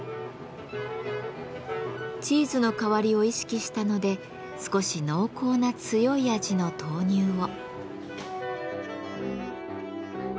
チーズの代わりを意識したので少し濃厚な強い味の豆乳を。